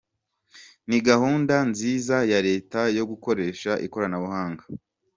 Ni gahunda nziza ya Leta yo gukoresha ikoranabunga.